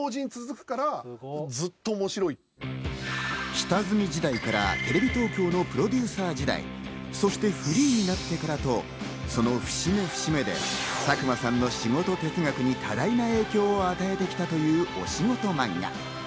下積み時代からテレビ東京のプロデューサー時代、そしてフリーになってからと、その節目節目で佐久間さんの仕事哲学に多大な影響を与えてきたというお仕事マンガ。